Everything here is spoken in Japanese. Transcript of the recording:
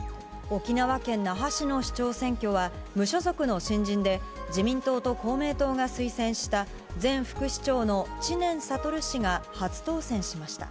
沖縄県那覇市の市長選挙は、無所属の新人で、自民党と公明党が推薦した前副市長の知念覚氏が初当選しました。